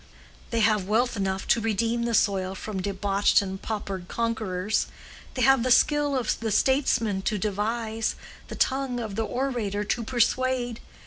They have wealth enough to redeem the soil from debauched and paupered conquerors; they have the skill of the statesman to devise, the tongue of the orator to persuade.